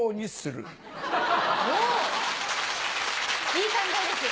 いい考えです。